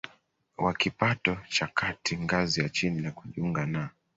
wa kipato cha kati ngazi ya chini na kujiunga na